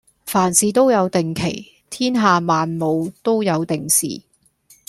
凡事都有定期，天下萬務都有定時